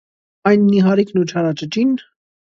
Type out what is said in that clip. այն նիհարիկն ու չարաճճի՞ն: